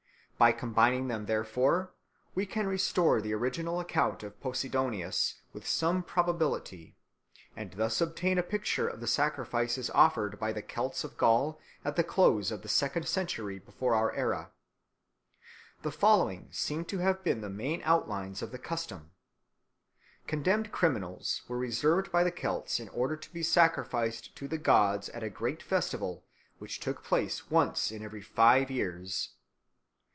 By combining them, therefore, we can restore the original account of Posidonius with some probability, and thus obtain a picture of the sacrifices offered by the Celts of Gaul at the close of the second century before our era. The following seem to have been the main outlines of the custom. Condemned criminals were reserved by the Celts in order to be sacrificed to the gods at a great festival which took place once in every five years.